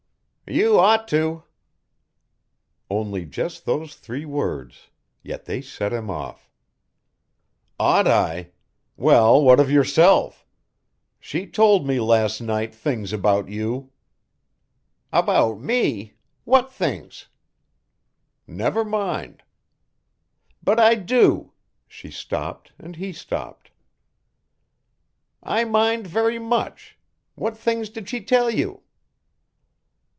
"You ought to." Only just those three words, yet they set him off. "Ought I? Well, what of yourself? She told me last night things about you." "About me. What things?" "Never mind." "But I do," she stopped and he stopped. "I mind very much. What things did she tell you?"